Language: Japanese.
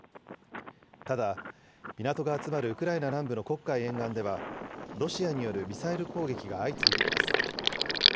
ただ、港が集まるウクライナ南部の黒海沿岸では、ロシアによるミサイル攻撃が相次いでいます。